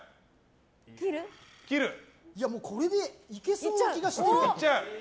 これでいけそうな気がします。